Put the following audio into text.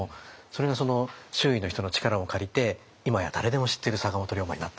それが周囲の人の力を借りて今や誰でも知ってる坂本龍馬になったわけですよね。